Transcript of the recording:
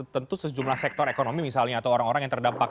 tentu sejumlah sektor ekonomi misalnya atau orang orang yang terdampak